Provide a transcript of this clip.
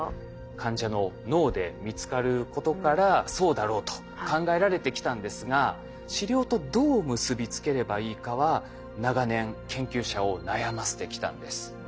患者の脳で見つかることからそうだろうと考えられてきたんですが治療とどう結び付ければいいかは長年研究者を悩ませてきたんです。